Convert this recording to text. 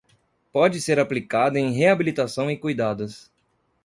Pode ser aplicado em reabilitação e cuidados